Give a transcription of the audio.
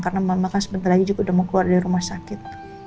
karena mama kan sebentar lagi juga udah mau keluar dari rumah sakit